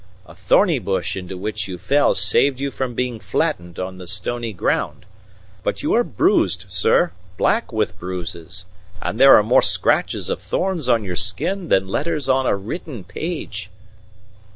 A thorny bush into which you fell saved you from being flattened on the stony ground. But you are bruised, sir, black with bruises; and there are more scratches of thorns on your skin than letters on a written page."